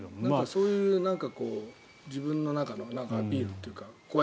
そういう自分の中のアピールというか。